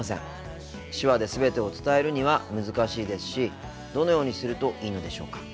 手話で全てを伝えるには難しいですしどのようにするといいのでしょうか。